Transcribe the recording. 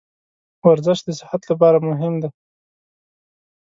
ورزش د صحت لپاره مهم دی.